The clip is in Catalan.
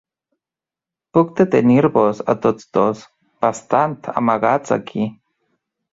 Puc detenir-vos a tots dos, bastant amagats, aquí.